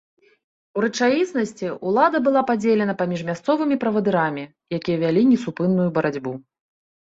У рэчаіснасці, улада была падзелена паміж мясцовымі правадырамі, якія вялі несупынную барацьбу.